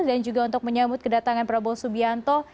dan juga untuk menyambut kedatangan prabowo subianto